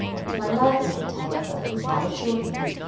My livelihood, however, was now assured me.